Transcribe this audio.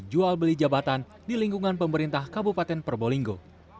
jual beli jabatan di lingkungan pemerintah kabupaten probolinggo